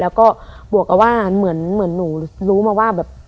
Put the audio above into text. แล้วก็บวกกับว่าเหมือนหนูรู้มาว่าแบบ